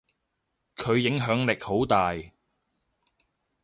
佢影響力好大。